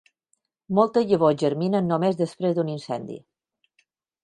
Moltes llavors germinen només després d'un incendi.